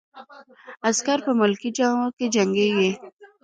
عسکر په ملکي جامو کې جنګیږي.